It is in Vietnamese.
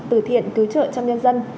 từ thiện cứu trợ cho nhân dân